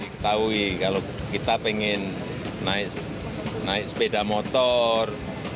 ketahui kalau kita pengen naik sepeda motor